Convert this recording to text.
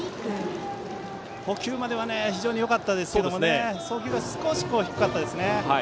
捕球までは非常によかったですが送球が少し低かったですね。